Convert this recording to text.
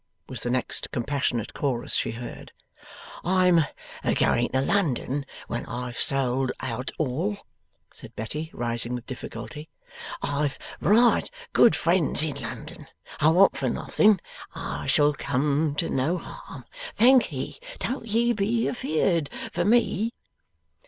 was the next compassionate chorus she heard. 'I'm a going to London when I've sold out all,' said Betty, rising with difficulty. 'I've right good friends in London. I want for nothing. I shall come to no harm. Thankye. Don't ye be afeard for me.